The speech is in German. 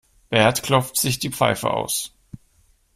Bert klopft sich die Pfeife aus.